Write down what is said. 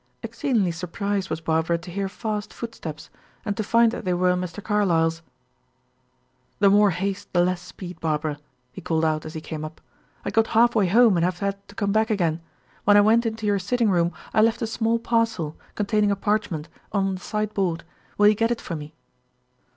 Exceedingly surprised was Barbara to hear fast footsteps, and to find that they were Mr. Carlyle's. "The more haste, the less speed, Barbara," he called out as he came up. "I had got half way home and have had to come back again. When I went into your sitting room, I left a small parcel, containing a parchment, on the sideboard. Will you get it for me?"